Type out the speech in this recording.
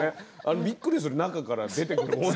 びっくりする、中から出てくるの。